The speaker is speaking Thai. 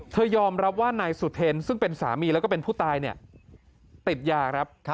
ยอมรับว่านายสุเทรนซึ่งเป็นสามีแล้วก็เป็นผู้ตายติดยาครับ